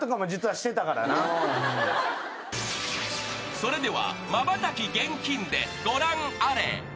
［それではまばたき厳禁でご覧あれ］